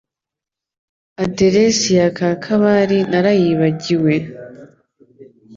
Aderesi ya ka kabari narayibagiwe.